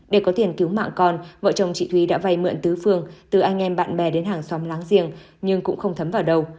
để có tiền cứu mạng con vợ chồng chị thúy đã vay mượn tứ phương từ anh em bạn bè đến hàng xóm láng giềng nhưng cũng không thấm vào đầu